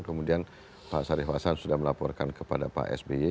kemudian pak syarif hasan sudah melaporkan kepada pak sby